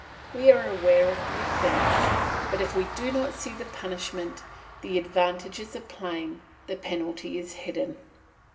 We are aware of the offence, but we do not see the punishment; the advantages are plain, the penalty is hidden.